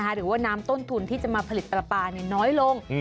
หรือว่าน้ำต้นทุนที่จะมาผลิตปลาปลาน้อยลง